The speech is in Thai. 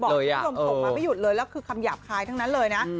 เขาก็ทุ่มถมมาไม่หยุดเลยแล้วคือคำหยาบคายทั้งนั้นเลยนะ